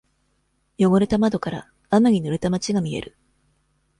汚れた窓から、雨にぬれた街が見える。